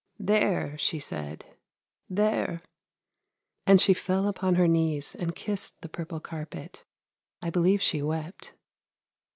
' There !' she said, ' there !' and she fell upon her knees and kissed the purple carpet; I believe she wept.